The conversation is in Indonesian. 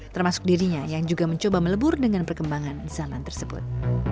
termasuk dirinya yang juga mencoba melebur dengan perkembangan zaman tersebut